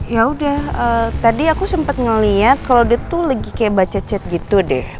yaudah tadi aku sempet ngeliat kalau dia tuh lagi kayak baca chat gitu deh